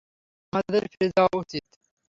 আমাদের ফিরে যাওয়া উচিৎ।